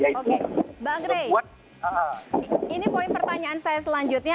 oke bang rey ini poin pertanyaan saya selanjutnya